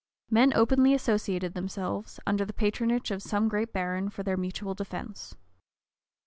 Men openly associated themselves, under the patronage of some great baron, for their mutual defence.